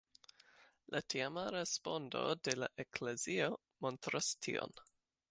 La tiama respondo de la eklezio montras tion.